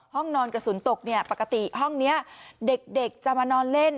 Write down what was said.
ห้องนอนกระสุนตกเนี่ยปกติห้องนี้เด็กจะมานอนเล่น